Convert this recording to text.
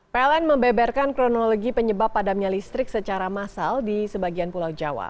pln membeberkan kronologi penyebab padamnya listrik secara massal di sebagian pulau jawa